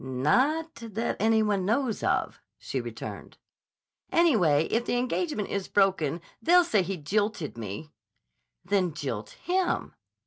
"Not that any one knows of," she returned. "Anyway, if the engagement is broken, they'll say he jilted me." "Then jilt him."